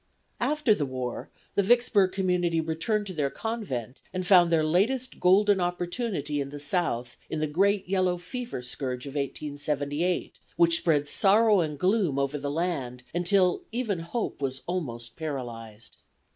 "After the war the Vicksburg Community returned to their convent and found their latest golden opportunity in the South in the great yellow fever scourge of 1878, which spread sorrow and gloom over the land, until even hope was almost paralyzed.